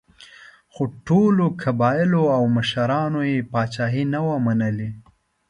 خو ټولو قبایلو او مشرانو یې پاچاهي نه وه منلې.